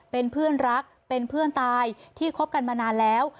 เป็นเพื่อนรักเป็นเพื่อนตายที่คบกันมานานแล้ว